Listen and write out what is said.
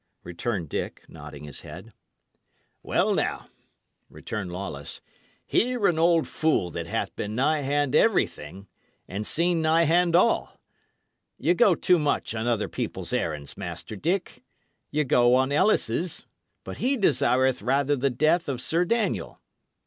returned Dick, nodding his head. "Well, now," continued Lawless, "hear an old fool that hath been nigh hand everything, and seen nigh hand all! Ye go too much on other people's errands, Master Dick. Ye go on Ellis's; but he desireth rather the death of Sir Daniel.